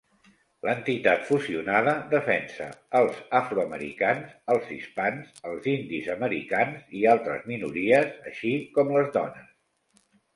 L'entitat fusionada defensa els afroamericans, els hispans, els indis americans i altres minories, així com les dones.